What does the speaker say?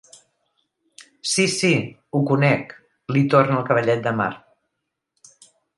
Sí, sí, ho conec —li torna el cavallet de mar.